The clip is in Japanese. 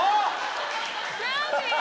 何？